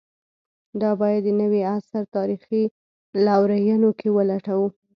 دا باید د نوي عصر تاریخي لورینو کې ولټوو.